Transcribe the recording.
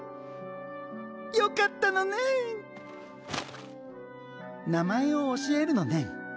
よかったのねん名前を教えるのねん